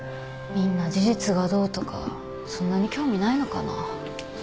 みんな事実がどうとかそんなに興味ないのかな？